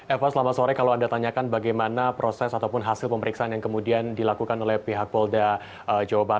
eva selamat sore kalau anda tanyakan bagaimana proses ataupun hasil pemeriksaan yang kemudian dilakukan oleh pihak polda jawa barat